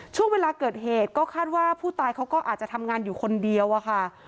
ช่วงเวลาเกิดเหตุก็คาดว่าผู้ตายเขาก็อาจจะทำงานอยู่คนเดียวอะค่ะ